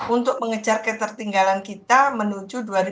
untuk mengejar ketertinggalan kita menuju dua ribu dua puluh